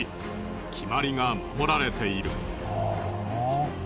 決まりが守られている。